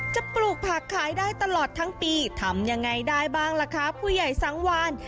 ปลูกผักขายได้ตลอดทั้งปีทำยังไงได้บ้างล่ะคะผู้ใหญ่สังวาน